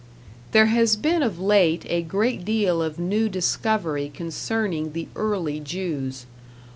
There has been of late a great deal of new discovery concerning the early Jews.